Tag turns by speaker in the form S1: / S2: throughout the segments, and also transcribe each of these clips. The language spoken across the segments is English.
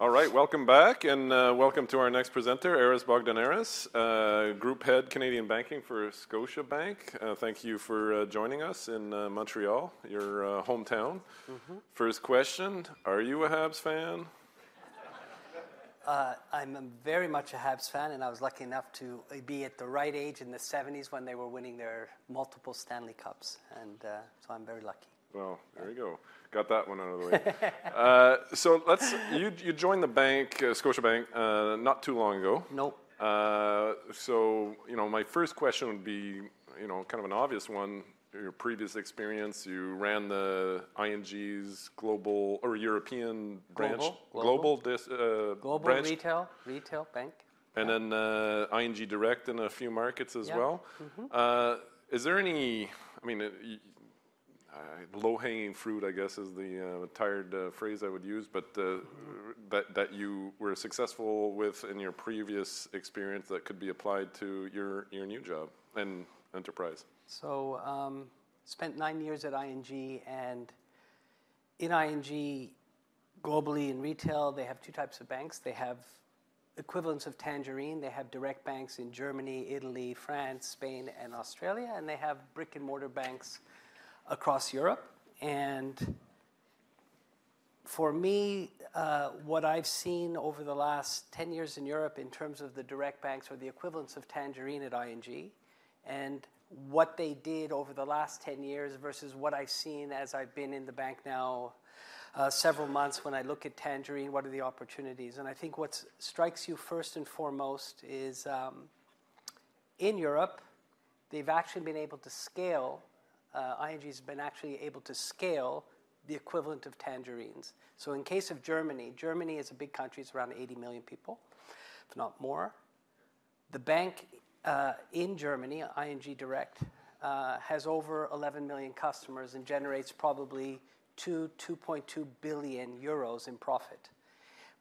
S1: All right, welcome back, and welcome to our next presenter, Aris Bogdaneris, Group Head, Canadian Banking for Scotiabank. Thank you for joining us in Montreal, your hometown.
S2: Mm-hmm.
S1: First question: Are you a Habs fan?
S2: I'm very much a Habs fan, and I was lucky enough to be at the right age in the '70s when they were winning their multiple Stanley Cups, and so I'm very lucky.
S1: Well, there you go. Got that one out of the way. So you joined the bank, Scotiabank, not too long ago.
S2: Nope.
S1: So, you know, my first question would be, you know, kind of an obvious one. Your previous experience, you ran the ING's global or European branch-
S2: Global, global...
S1: global desk branch.
S2: Global retail, retail bank.
S1: And then, ING Direct in a few markets as well.
S2: Yeah, mm-hmm.
S1: Is there any... I mean, low-hanging fruit, I guess, is the tired phrase I would use. But-
S2: Mm-hmm...
S1: but that you were successful with in your previous experience that could be applied to your, your new job and enterprise?
S2: So, spent nine years at ING, and in ING, globally in retail, they have two types of banks. They have equivalents of Tangerine. They have direct banks in Germany, Italy, France, Spain, and Australia, and they have brick-and-mortar banks across Europe. And for me, what I've seen over the last 10 years in Europe in terms of the direct banks or the equivalents of Tangerine at ING, and what they did over the last 10 years versus what I've seen as I've been in the bank now, several months, when I look at Tangerine, what are the opportunities? And I think what strikes you first and foremost is, in Europe, they've actually been able to scale, ING's been actually able to scale the equivalent of Tangerine's. So in case of Germany, Germany is a big country. It's around 80 million people, if not more. The bank in Germany, ING Direct, has over 11 million customers and generates probably 2.2 billion in profit.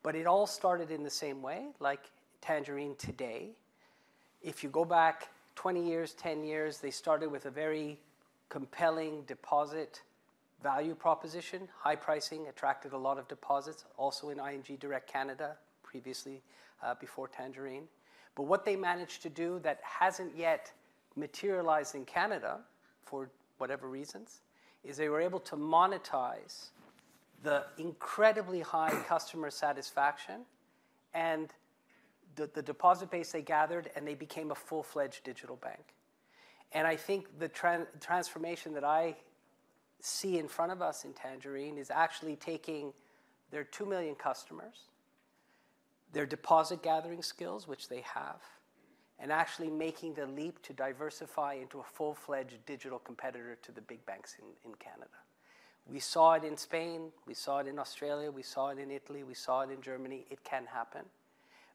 S2: But it all started in the same way, like Tangerine today. If you go back 20 years, 10 years, they started with a very compelling deposit value proposition. High pricing attracted a lot of deposits, also in ING Direct Canada, previously, before Tangerine. But what they managed to do that hasn't yet materialized in Canada, for whatever reasons, is they were able to monetize the incredibly high customer satisfaction and the deposit base they gathered, and they became a full-fledged digital bank. I think the transformation that I see in front of us in Tangerine is actually taking their 2 million customers, their deposit-gathering skills, which they have, and actually making the leap to diversify into a full-fledged digital competitor to the big banks in Canada. We saw it in Spain. We saw it in Australia. We saw it in Italy. We saw it in Germany. It can happen.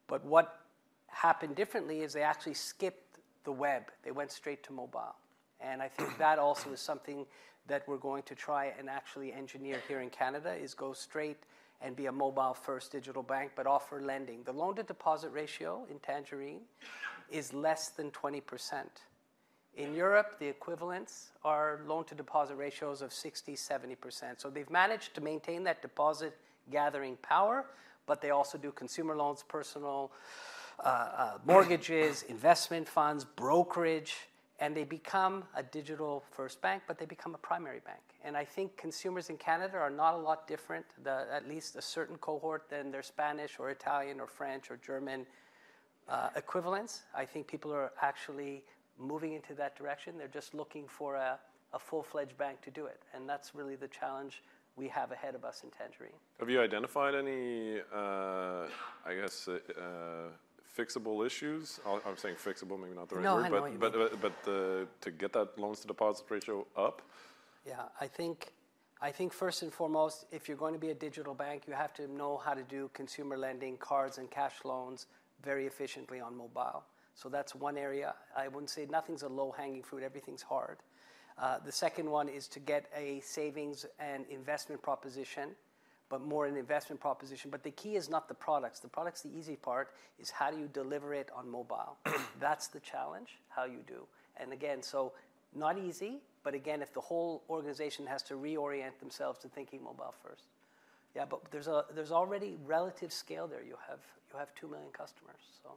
S2: But what happened differently is they actually skipped the web. They went straight to mobile. And I think that also is something that we're going to try and actually engineer here in Canada, is go straight and be a mobile-first digital bank, but offer lending. The loan-to-deposit ratio in Tangerine is less than 20%. In Europe, the equivalents are loan-to-deposit ratios of 60%-70%. So they've managed to maintain that deposit-gathering power, but they also do consumer loans, personal mortgages, investment funds, brokerage, and they become a digital-first bank, but they become a primary bank. And I think consumers in Canada are not a lot different, at least a certain cohort, than their Spanish or Italian or French or German equivalents. I think people are actually moving into that direction. They're just looking for a full-fledged bank to do it, and that's really the challenge we have ahead of us in Tangerine.
S1: Have you identified any, I guess, fixable issues? I'm saying fixable, maybe not the right word-
S2: No, I know what you mean....
S1: but, to get that loan-to-deposit ratio up?
S2: Yeah, I think, I think first and foremost, if you're going to be a digital bank, you have to know how to do consumer lending, cards, and cash loans very efficiently on mobile. So that's one area. I wouldn't say... Nothing's a low-hanging fruit. Everything's hard. The second one is to get a savings and investment proposition, but more an investment proposition. But the key is not the products. The product's the easy part. It's how do you deliver it on mobile? That's the challenge, how you do. And again, so not easy, but again, if the whole organization has to reorient themselves to thinking mobile first. Yeah, but there's already relative scale there. You have, you have 2 million customers, so...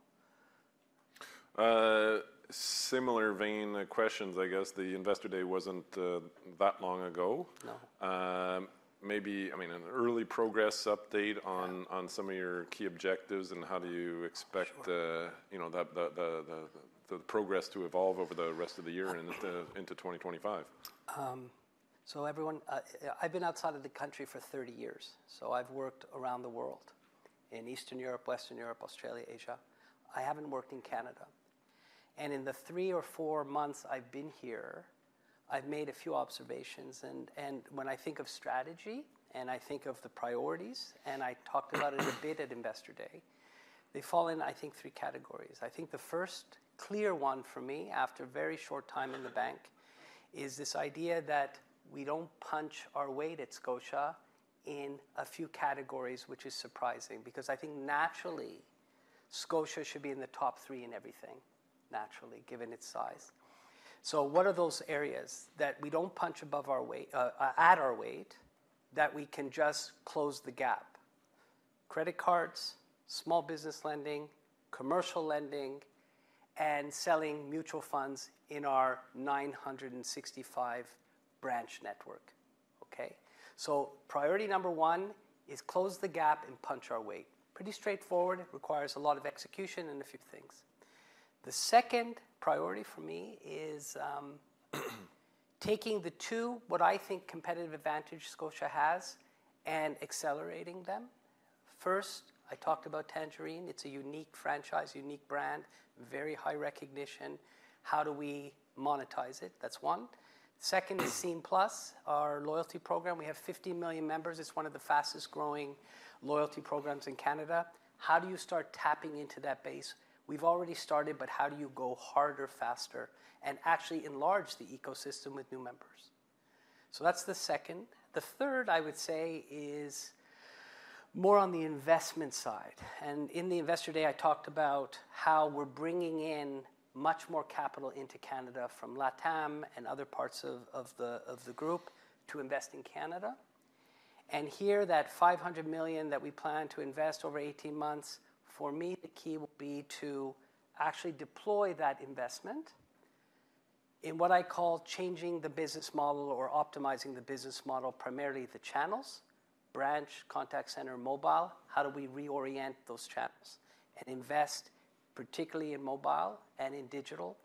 S1: Similar vein of questions, I guess, the Investor Day wasn't that long ago.
S2: No.
S1: Maybe, I mean, an early progress update on-
S2: Yeah...
S1: on some of your key objectives, and how do you expect the-
S2: Sure...
S1: you know, the progress to evolve over the rest of the year and into 2025?
S2: So everyone, I've been outside of the country for 30 years, so I've worked around the world, in Eastern Europe, Western Europe, Australia, Asia. I haven't worked in Canada. And in the three or four months I've been here, I've made a few observations, and when I think of strategy, and I think of the priorities, and I talked about it a bit at Investor Day, they fall in, I think, three categories. I think the first clear one for me, after a very short time in the bank, is this idea that we don't punch our weight at Scotia in a few categories, which is surprising. Because I think naturally, Scotia should be in the top three in everything, naturally, given its size. So what are those areas that we don't punch above our weight, at our weight, that we can just close the gap? Credit cards, small business lending, commercial lending, and selling mutual funds in our 965 branch network, okay? So priority number one is close the gap and punch our weight. Pretty straightforward. It requires a lot of execution and a few things. The second priority for me is taking the two, what I think, competitive advantage Scotia has, and accelerating them. First, I talked about Tangerine. It's a unique franchise, unique brand, very high recognition. How do we monetize it? That's one. Second, Scene+, our loyalty program. We have 50 million members. It's one of the fastest-growing loyalty programs in Canada. How do you start tapping into that base? We've already started, but how do you go harder, faster, and actually enlarge the ecosystem with new members? So that's the second. The third, I would say, is more on the investment side, and in the Investor Day, I talked about how we're bringing in much more capital into Canada from LATAM and other parts of the group to invest in Canada. And here, that 500 million that we plan to invest over 18 months, for me, the key will be to actually deploy that investment in what I call changing the business model or optimizing the business model, primarily the channels: branch, contact center, mobile. How do we reorient those channels and invest particularly in mobile and in digital,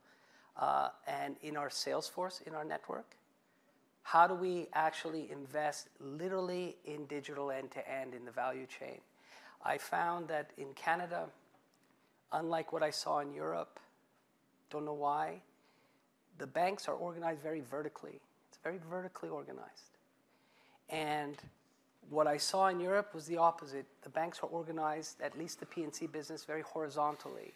S2: and in our sales force, in our network? How do we actually invest literally in digital end-to-end in the value chain? I found that in Canada, unlike what I saw in Europe, don't know why, the banks are organized very vertically. It's very vertically organized. What I saw in Europe was the opposite. The banks were organized, at least the P&C business, very horizontally,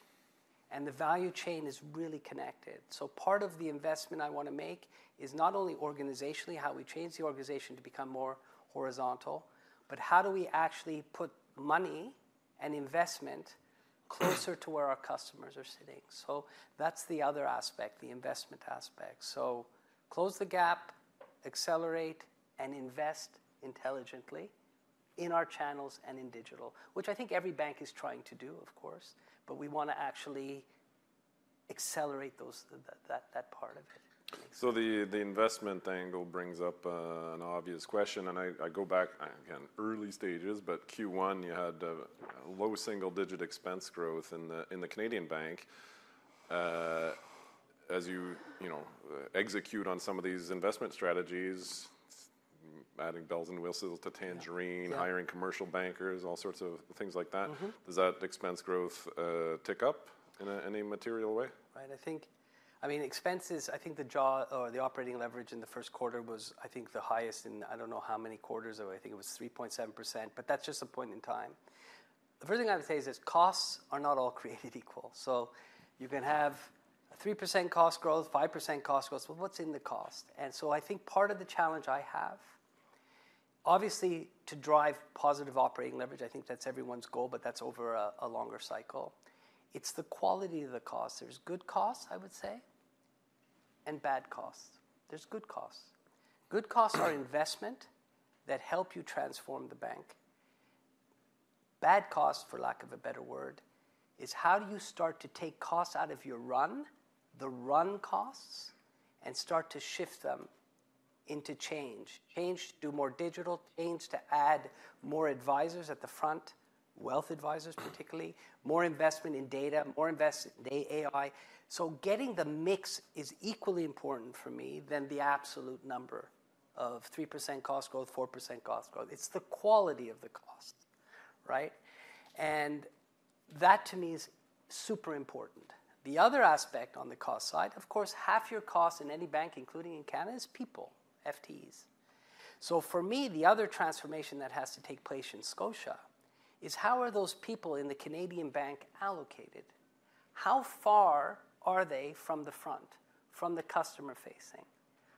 S2: and the value chain is really connected. Part of the investment I want to make is not only organizationally, how we change the organization to become more horizontal, but how do we actually put money and investment closer to where our customers are sitting? That's the other aspect, the investment aspect. Close the gap, accelerate, and invest intelligently in our channels and in digital, which I think every bank is trying to do, of course, but we want to actually accelerate that part of it.
S1: So, the investment angle brings up an obvious question, and I go back, again, early stages, but Q1, you had low single-digit expense growth in the Canadian bank. As you know, execute on some of these investment strategies, adding bells and whistles to Tangerine-
S2: Yeah, yeah.
S1: - hiring commercial bankers, all sorts of things like that-
S2: Mm-hmm.
S1: Does that expense growth tick up in any material way?
S2: Right, I think... I mean, expenses, I think the jaw or the operating leverage in the first quarter was, I think, the highest in I don't know how many quarters, or I think it was 3.7%, but that's just a point in time. The first thing I'd say is costs are not all created equal. So you can have 3% cost growth, 5% cost growth, so what's in the cost? And so I think part of the challenge I have, obviously, to drive positive operating leverage, I think that's everyone's goal, but that's over a longer cycle. It's the quality of the cost. There's good costs, I would say, and bad costs. There's good costs. Good costs are investment that help you transform the bank. Bad costs, for lack of a better word, is how do you start to take costs out of your run, the run costs, and start to shift them into change? Change to do more digital, change to add more advisors at the front, wealth advisors, particularly. More investment in data, more invest in AI. So getting the mix is equally important for me than the absolute number of 3% cost growth, 4% cost growth. It's the quality of the cost, right? And that, to me, is super important. The other aspect on the cost side, of course, half your costs in any bank, including in Canada, is people, FTEs. So, for me, the other transformation that has to take place in Scotia is: how are those people in the Canadian bank allocated? How far are they from the front, from the customer facing?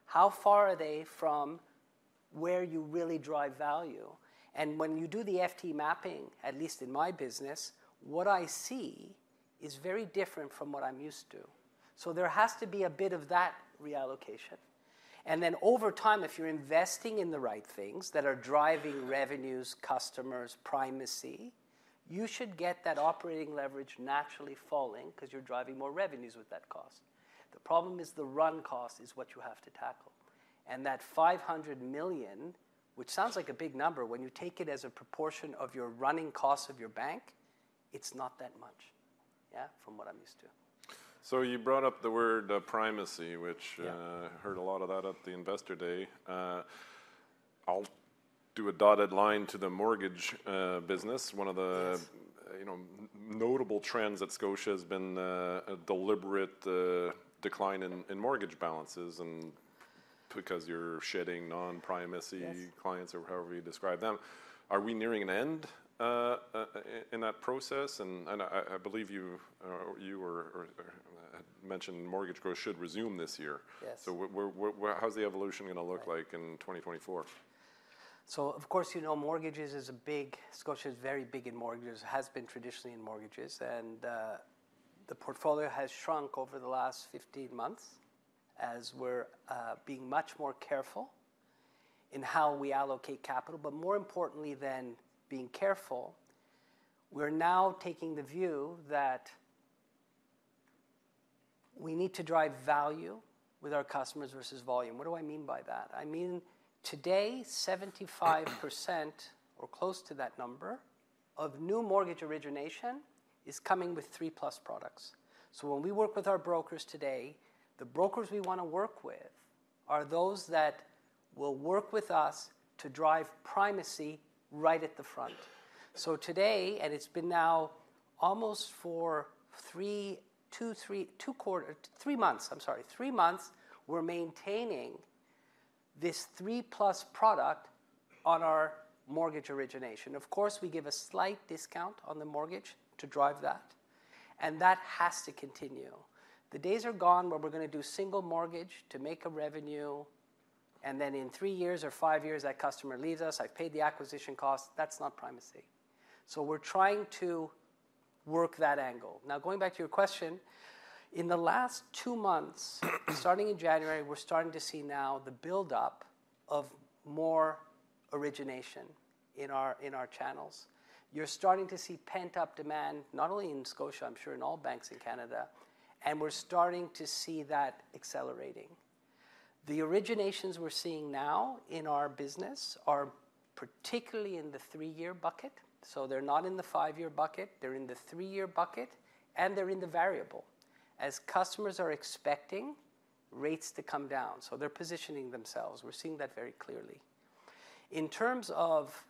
S2: How far are they from where you really drive value? When you do the FTE Mapping, at least in my business, what I see is very different from what I'm used to. There has to be a bit of that reallocation. Then over time, if you're investing in the right things that are driving revenues, customers, primacy, you should get that operating leverage naturally falling 'cause you're driving more revenues with that cost. The problem is, the run cost is what you have to tackle, and that 500 million, which sounds like a big number, when you take it as a proportion of your running costs of your bank, it's not that much, yeah, from what I'm used to.
S1: So you brought up the word, primacy, which-
S2: Yeah
S1: Heard a lot about at the Investor Day. I'll do a dotted line to the mortgage business. One of the-
S2: Yes...
S1: you know, notable trends at Scotia has been, a deliberate, decline in, in mortgage balances, and because you're shedding non-primacy-
S2: Yes
S1: clients or however you describe them. Are we nearing an end in that process? And I believe you were, or had mentioned mortgage growth should resume this year.
S2: Yes.
S1: So how's the evolution gonna look like in 2024?...
S2: So of course, you know, mortgages is a big, Scotia is very big in mortgages, has been traditionally in mortgages, and the portfolio has shrunk over the last 15 months as we're being much more careful in how we allocate capital. But more importantly than being careful, we're now taking the view that we need to drive value with our customers versus volume. What do I mean by that? I mean, today, 75%, or close to that number, of new mortgage origination is coming with three-plus products. So, when we work with our brokers today, the brokers we want to work with are those that will work with us to drive primacy right at the front. So today, and it's been now almost for three months, we're maintaining this three-plus product on our mortgage origination. Of course, we give a slight discount on the mortgage to drive that, and that has to continue. The days are gone where we're going to do single mortgage to make a revenue, and then in three years or five years, that customer leaves us. I've paid the acquisition cost. That's not primacy. So, we're trying to work that angle. Now, going back to your question, in the last two months, starting in January, we're starting to see now the build-up of more origination in our, in our channels. You're starting to see pent-up demand, not only in Scotia, I'm sure in all banks in Canada, and we're starting to see that accelerating. The originations we're seeing now in our business are particularly in the three-year bucket. So, they're not in the five-year bucket, they're in the three-year bucket, and they're in the variable, as customers are expecting rates to come down, so they're positioning themselves. We're seeing that very clearly. In terms of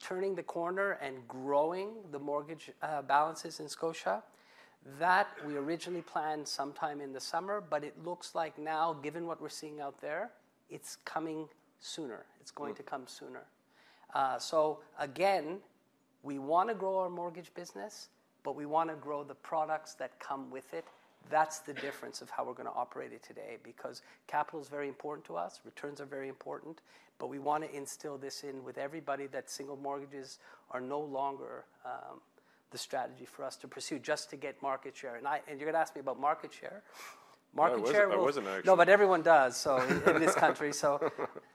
S2: turning the corner and growing the mortgage balances in Scotia, that we originally planned sometime in the summer, but it looks like now, given what we're seeing out there, it's coming sooner. It's going to come sooner. So again, we want to grow our mortgage business, but we want to grow the products that come with it. That's the difference of how we're going to operate it today, because capital is very important to us, returns are very important, but we want to instill this in with everybody, that single mortgages are no longer the strategy for us to pursue just to get market share. And you're going to ask me about market share. Market share will-
S1: I wasn't actually.
S2: No, but everyone does, in this country, so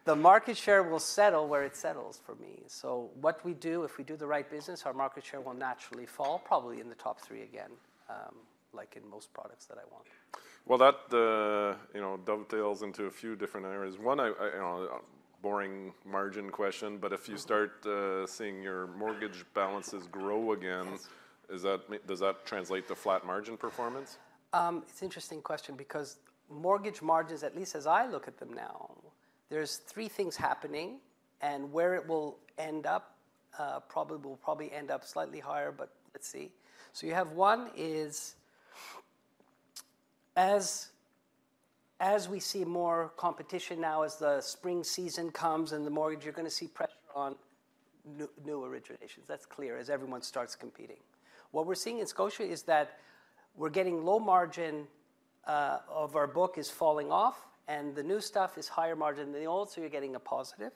S2: the market share will settle where it settles for me. So what we do, if we do the right business, our market share will naturally fall, probably in the top three again, like in most products that I want.
S1: Well, that, you know, dovetails into a few different areas. One, I you know, boring margin question, but if you-
S2: Mm-hmm...
S1: start seeing your mortgage balances grow again-
S2: Yes...
S1: is that, does that translate to flat margin performance?
S2: It's an interesting question because mortgage margins, at least as I look at them now, there's three things happening, and where it will end up, probably, will probably end up slightly higher, but let's see. So you have one is, as we see more competition now, as the spring season comes and the mortgage, you're going to see pressure on new originations. That's clear as everyone starts competing. What we're seeing in Scotia is that we're getting low margin of our book is falling off, and the new stuff is higher margin than the old, so you're getting a positive.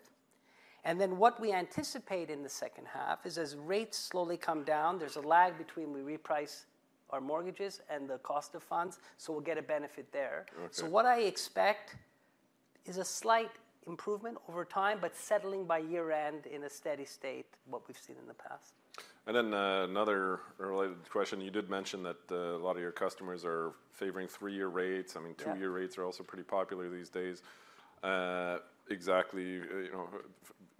S2: And then what we anticipate in the second half is as rates slowly come down, there's a lag between we reprice our mortgages and the cost of funds, so we'll get a benefit there.
S1: Okay.
S2: What I expect is a slight improvement over time, but settling by year-end in a steady state, what we've seen in the past.
S1: And then, another related question: you did mention that a lot of your customers are favoring three-year rates?
S2: Yeah.
S1: I mean, two-year rates are also pretty popular these days. Exactly, you know,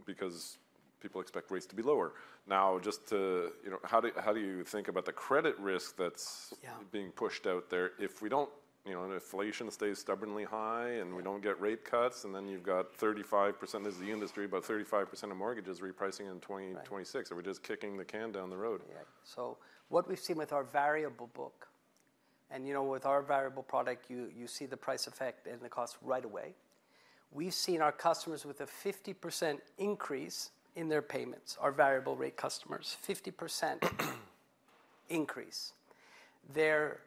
S1: because people expect rates to be lower. Now, just to, you know, how do you think about the credit risk that's-
S2: Yeah...
S1: being pushed out there if we don't... You know, and inflation stays stubbornly high, and we don't get rate cuts, and then you've got 35%. This is the industry, about 35% of mortgages repricing in 2026-
S2: Right...
S1: are we just kicking the can down the road?
S2: Yeah. So what we've seen with our variable book and, you know, with our variable product, you see the price effect and the cost right away. We've seen our customers with a 50% increase in their payments, our variable rate customers, 50% increase. Their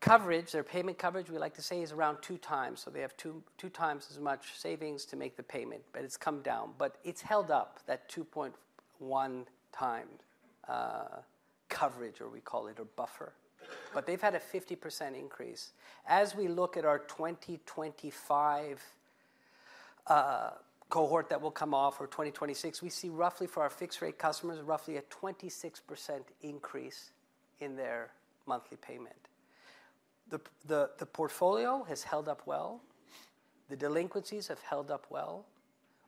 S2: coverage, their payment coverage, we like to say, is around two times. So they have two times as much savings to make the payment, but it's come down. But it's held up, that 2.1x coverage, or we call it a buffer. But they've had a 50% increase. As we look at our 2025 cohort that will come off, or 2026, we see roughly for our fixed-rate customers, roughly a 26% increase in their monthly payment. The portfolio has held up well. The delinquencies have held up well.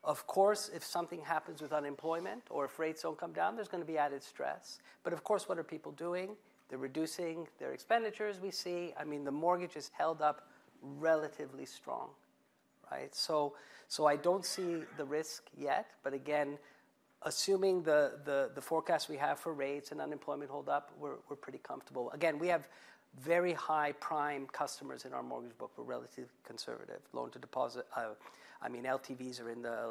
S2: Of course, if something happens with unemployment or if rates don't come down, there's going to be added stress. But of course, what are people doing? They're reducing their expenditures, we see. I mean, the mortgage has held up relatively strong, right? So I don't see the risk yet, but again, assuming the forecast we have for rates and unemployment hold up, we're pretty comfortable. Again, we have very high prime customers in our mortgage book, we're relatively conservative. Loan-to-deposit, I mean, LTVs are in the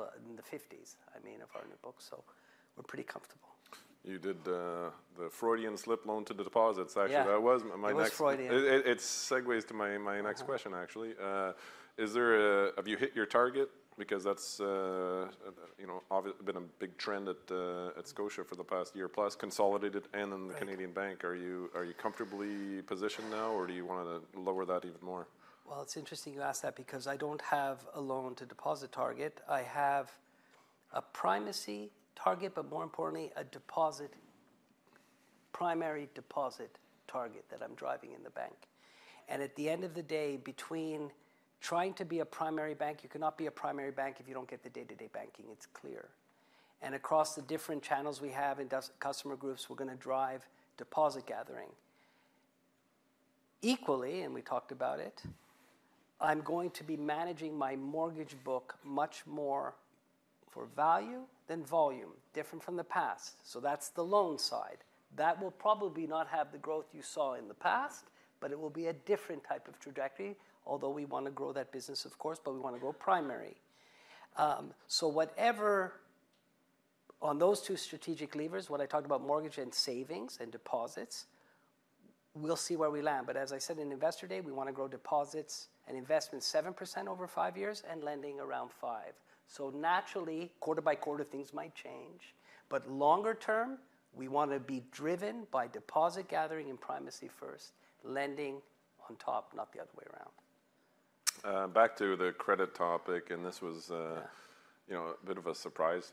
S2: 50s, I mean, of our new book, so we're pretty comfortable....
S1: You did the Freudian slip loan to deposits.
S2: Yeah.
S1: Actually, that was my next-
S2: It was Freudian.
S1: It segues to my next question, actually.
S2: Uh-huh.
S1: Have you hit your target? Because that's, you know, been a big trend at Scotia for the past year-plus, consolidated and in the-
S2: Right...
S1: Canadian Bank. Are you, are you comfortably positioned now, or do you want to lower that even more?
S2: Well, it's interesting you ask that, because I don't have a loan-to-deposit target. I have a primacy target, but more importantly, a deposit, primary deposit target that I'm driving in the bank. And at the end of the day, between trying to be a primary bank... You cannot be a primary bank if you don't get the day-to-day banking, it's clear. And across the different channels we have in our customer groups, we're gonna drive deposit gathering. Equally, and we talked about it, I'm going to be managing my mortgage book much more for value than volume, different from the past. So that's the loan side. That will probably not have the growth you saw in the past, but it will be a different type of trajectory, although we want to grow that business, of course, but we want to grow primary. So whatever... On those two strategic levers, when I talk about mortgage and savings and deposits, we'll see where we land. But as I said in Investor Day, we want to grow deposits and investments 7% over five years and lending around 5%. So naturally, quarter-by-quarter, things might change, but longer term, we want to be driven by deposit gathering and primacy first, lending on top, not the other way around.
S1: Back to the credit topic, and this was,
S2: Yeah...
S1: you know, a bit of a surprise,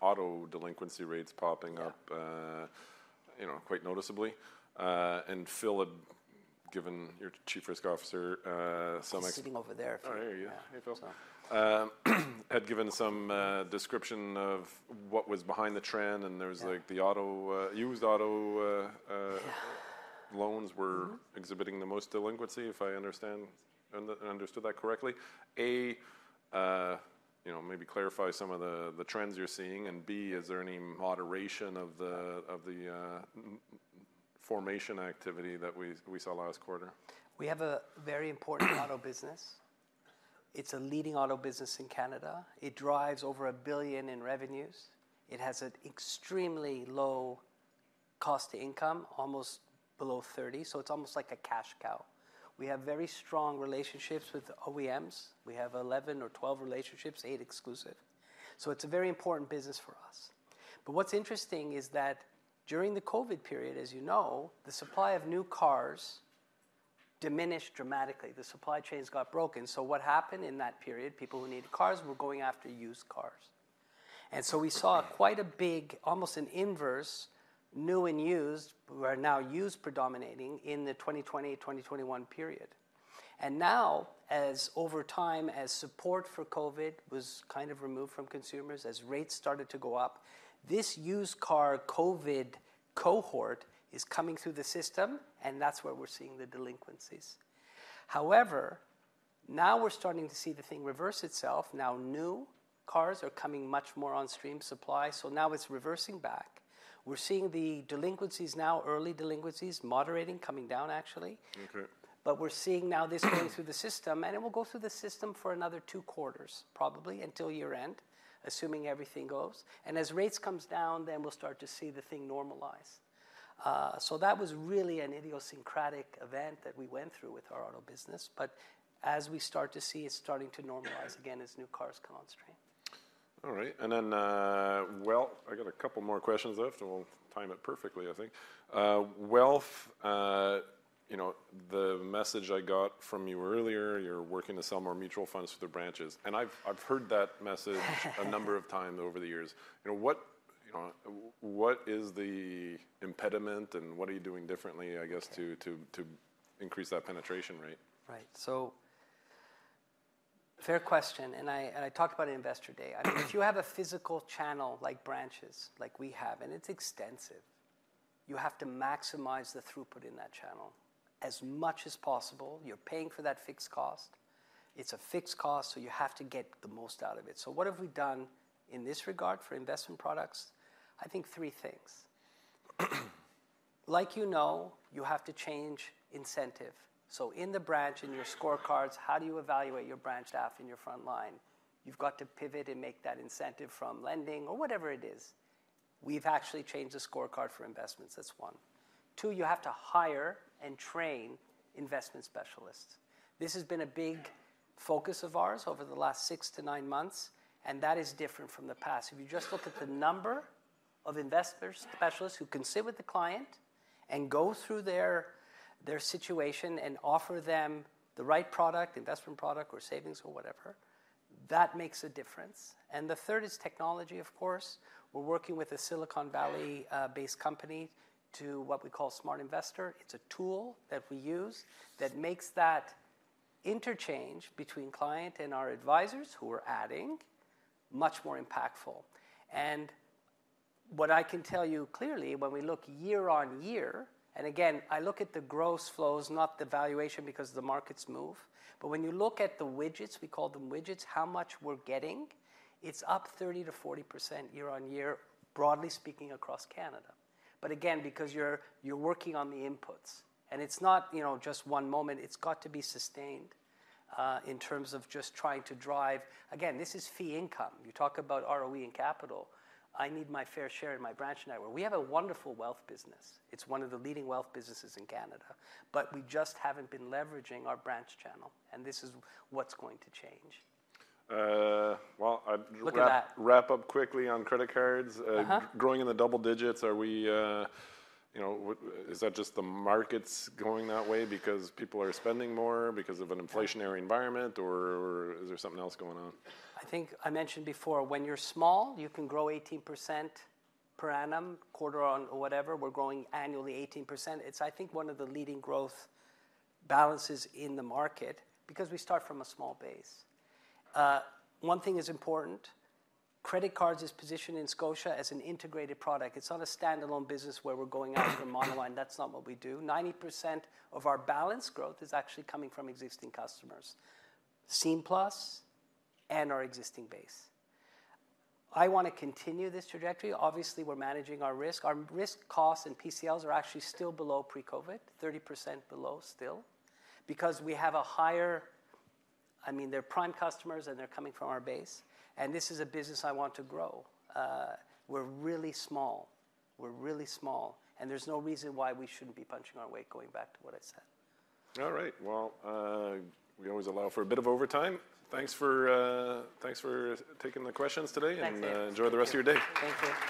S1: auto delinquency rates popping up-
S2: Yeah...
S1: you know, quite noticeably. Phil had given, your Chief Risk Officer, some ex-
S2: He's sitting over there, Phil.
S1: Oh, there he is. Hey, Phil. Had given some description of what was behind the trend, and there was-
S2: Yeah...
S1: like, the used auto...
S2: Yeah...
S1: loans were-
S2: Mm-hmm
S1: ...exhibiting the most delinquency, if I understood that correctly. A, you know, maybe clarify some of the trends you're seeing, and B, is there any moderation of the formation activity that we saw last quarter?
S2: We have a very important auto business. It's a leading auto business in Canada. It drives over 1 billion in revenues. It has an extremely low cost to income, almost below 30%, so it's almost like a cash cow. We have very strong relationships with OEMs. We have 11 or 12 relationships, eight exclusive, so it's a very important business for us. But what's interesting is that during the COVID period, as you know, the supply of new cars diminished dramatically. The supply chains got broken. So what happened in that period, people who needed cars were going after used cars, and so we saw quite a big, almost an inverse, new and used, were now used predominating in the 2020, 2021 period. Now, as over time, as support for COVID was kind of removed from consumers, as rates started to go up, this used car COVID cohort is coming through the system, and that's where we're seeing the delinquencies. However, now we're starting to see the thing reverse itself. Now, new cars are coming much more on stream supply, so now it's reversing back. We're seeing the delinquencies now, early delinquencies, moderating, coming down, actually.
S1: Okay.
S2: But we're seeing now this going through the system, and it will go through the system for another two quarters, probably until year-end, assuming everything goes. And as rates comes down, then we'll start to see the thing normalize. So that was really an idiosyncratic event that we went through with our auto business, but as we start to see, it's starting to normalize again as new cars come on stream.
S1: All right, and then, well, I got a couple more questions left, and we'll time it perfectly, I think. Wealth, you know, the message I got from you earlier, you're working to sell more mutual funds through the branches, and I've, I've heard that message a number of times over the years. You know, what, you know, what is the impediment, and what are you doing differently, I guess, to-
S2: Okay...
S1: to increase that penetration rate?
S2: Right. So fair question, and I, and I talked about it in Investor Day. If you have a physical channel, like branches, like we have, and it's extensive, you have to maximize the throughput in that channel as much as possible. You're paying for that fixed cost. It's a fixed cost, so you have to get the most out of it. So what have we done in this regard for investment products? I think three things. Like, you know, you have to change incentive. So in the branch, in your scorecards, how do you evaluate your branch staff in your front line? You've got to pivot and make that incentive from lending or whatever it is. We've actually changed the scorecard for investments. That's one. Two, you have to hire and train investment specialists. This has been a big focus of ours over the last six-nine months, and that is different from the past. If you just look at the number of investors, specialists who can sit with the client and go through their, their situation and offer them the right product, investment product or savings or whatever, that makes a difference. And the third is technology, of course. We're working with a Silicon Valley based company to what we call Smart Investor. It's a tool that we use that makes that interchange between client and our advisors, who we're adding, much more impactful. And what I can tell you clearly, when we look year-on-year, and again, I look at the gross flows, not the valuation, because the markets move, but when you look at the widgets, we call them widgets, how much we're getting, it's up 30%-40% year-on-year, broadly speaking, across Canada. But again, because you're working on the inputs, and it's not, you know, just one moment. It's got to be sustained in terms of just trying to drive... Again, this is fee income. You talk about ROE and Capital. I need my fair share in my branch network. We have a wonderful wealth business. It's one of the leading wealth businesses in Canada, but we just haven't been leveraging our branch channel, and this is what's going to change.
S1: Well, I'd wrap-
S2: Look at that!...
S1: wrap up quickly on credit cards.
S2: Uh-huh.
S1: Growing in the double digits, are we? You know, is that just the markets going that way because people are spending more because of an inflationary environment? Or is there something else going on?
S2: I think I mentioned before, when you're small, you can grow 18% per annum, quarter on or whatever. We're growing annually 18%. It's, I think, one of the leading growth balances in the market because we start from a small base. One thing is important, credit cards is positioned in Scotia as an integrated product. It's not a standalone business where we're going after monoline. That's not what we do. 90% of our balance growth is actually coming from existing customers, Scene+ and our existing base. I want to continue this trajectory. Obviously, we're managing our risk. Our risk costs and PCLs are actually still below pre-COVID, 30% below still, because we have a higher... I mean, they're prime customers, and they're coming from our base, and this is a business I want to grow. We're really small. We're really small, and there's no reason why we shouldn't be punching our weight, going back to what I said.
S1: All right. Well, we always allow for a bit of overtime. Thanks for taking the questions today.
S2: Thanks, Gabe...
S1: and enjoy the rest of your day.
S2: Thank you.